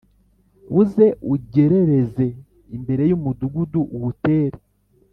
uze ugerereze imbere y’umudugudu uwutere